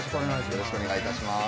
よろしくお願いします。